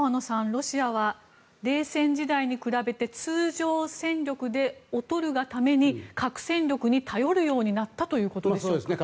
ロシアは冷戦時代に比べて通常戦力で劣るがために核戦力に頼るようになったということですか。